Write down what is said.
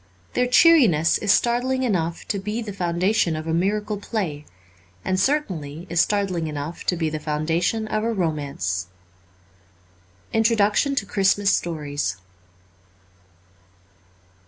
Their cheeriness is startling enough to be the foundation of a miracle play ; and certainly is startling enough to be the foundation of a romance. Introduction to ' Christmas Stories.'